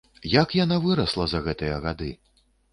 Як яна вырасла за гэтыя гады!